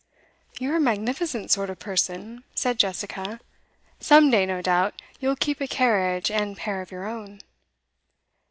'You're a magnificent sort of person,' said Jessica. 'Some day, no doubt, you'll keep a carriage and pair of your own.